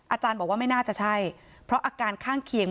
อาจารย์บอกว่าไม่น่าจะใช่เพราะอาการข้างเคียง